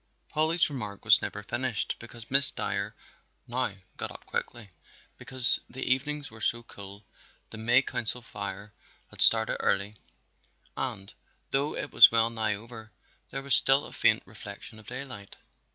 Polly's remark was never finished because Miss Dyer now got up quickly. Because the evenings were so cool the May Council Fire had started early and though it was well nigh over, there was still a faint reflection of daylight.